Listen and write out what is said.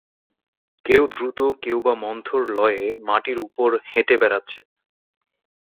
কেউ দ্রুত কেউবা মন্থর লয়ে মাটির উপর হেঁটে বেড়াচ্ছে।